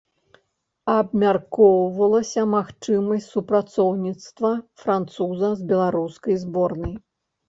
Абмяркоўвалася магчымасць супрацоўніцтва француза з беларускай зборнай.